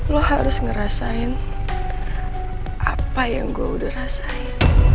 lo harus ngerasain apa yang gue udah rasain